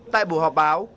tại bộ họp báo